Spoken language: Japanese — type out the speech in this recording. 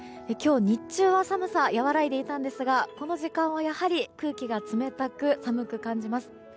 日中は寒さが和らいでいたんですがこの時間は空気が冷たく寒く感じます。